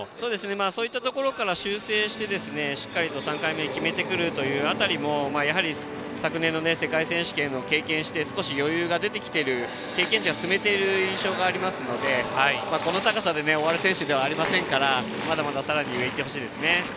そういったところから修正してしっかりと３回目決めてくるあたりも昨年の世界選手権を経験して余裕が出てくる経験値が積めている印象がありますのでこの高さで終わる選手ではありませんからまだまださらに上に行ってほしいですね。